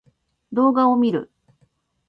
動画を見る